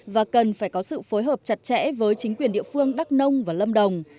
và cần phải có sự phối hợp chặt chẽ với chính quyền địa phương đắk nông và lâm đồng